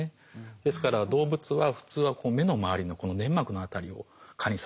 ですから動物は普通は目の周りのこの粘膜の辺りを蚊に刺されたりするんです。